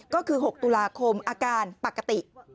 ก็คือ๖ตุลาคมอาการปกติ